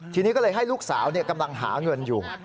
ทีนี้ก็เลยให้ลูกสาวกำลังหาเงินอยู่